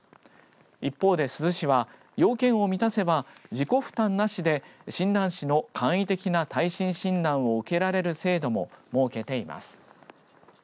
一方で珠洲市は、要件を満たせば自己負担なしで診断士の簡易的な耐震診断を受けられる制度も設けています。